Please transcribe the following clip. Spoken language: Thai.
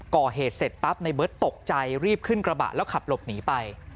ก่อเหตุเสร็จปั๊บในเบิร์ตตกใจรีบขึ้นกระบะแล้วขับหลบหนีไป